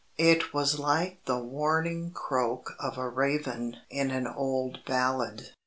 It was like the warning croak of a raven in an old ballad.